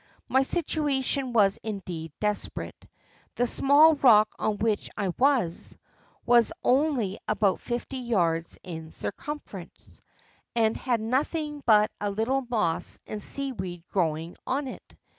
My situation was indeed desperate; the small rock on which I was, was only about fifty yards in circumference, and had nothing but a little moss and sea weed growing on it.